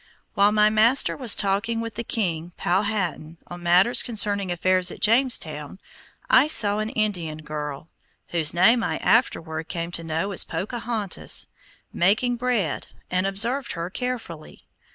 While my master was talking with the king, Powhatan, on matters concerning affairs at Jamestown, I saw an Indian girl, whose name I afterward came to know was Pocahontas, making bread, and observed her carefully.